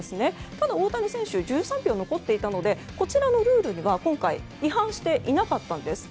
ただ、大谷選手１３秒残っていたのでこちらのルールには、今回違反していなかったんです。